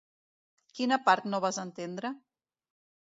Quina part no vas entendre?